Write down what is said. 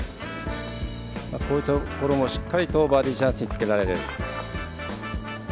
こういったところもしっかりとバーディーチャンスにつけられる。